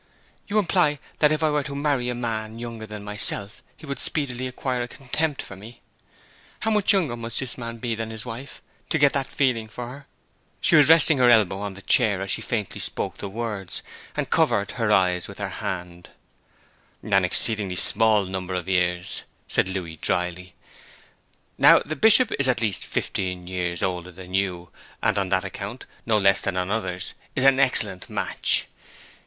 'You imply that if I were to marry a man younger than myself he would speedily acquire a contempt for me? How much younger must a man be than his wife to get that feeling for her?' She was resting her elbow on the chair as she faintly spoke the words, and covered her eyes with her hand. 'An exceedingly small number of years,' said Louis drily. 'Now the Bishop is at least fifteen years older than you, and on that account, no less than on others, is an excellent match.